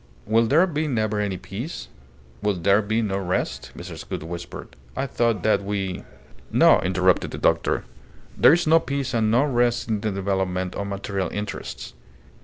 "Will there be never any peace? Will there be no rest?" Mrs. Gould whispered. "I thought that we " "No!" interrupted the doctor. "There is no peace and no rest in the development of material interests.